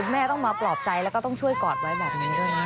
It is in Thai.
แม่ต้องมาปลอบใจแล้วก็ต้องช่วยกอดไว้แบบนี้ด้วยนะ